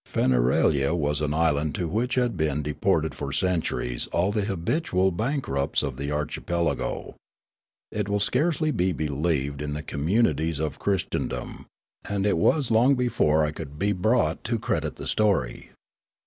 Feneralia was an island to which had been deported for centuries all the habitual bankrupts of the archipelago. It will scarcely be believed in the communities of Christendom, and it was long before I could be brought to credit the story.